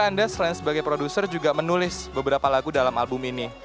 anda selain sebagai produser juga menulis beberapa lagu dalam album ini